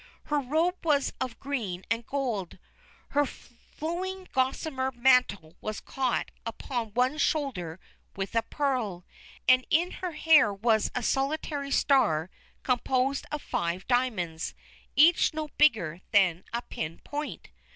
Her robe was of green and gold. Her flowing gossamer mantle was caught upon one shoulder with a pearl, and in her hair was a solitary star composed of five diamonds, each no bigger than a pin point.